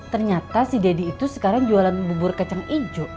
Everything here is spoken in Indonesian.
ternyata si deddy itu sekarang jualan bubur kacang hijau